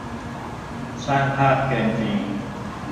สร้างภาพเกินจริง